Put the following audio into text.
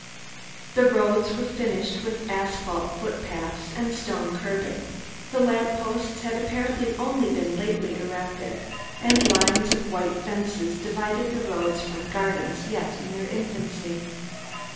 The roads were finished, with asphalt footpaths and stone curbing, the lamp posts had apparently only been lately erected, and lines of white fences divided the roads from gardens yet in their infancy.